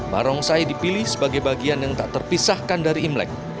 barongsai dipilih sebagai bagian yang tak terpisahkan dari imlek